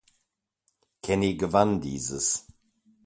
Kenny gewann dieses.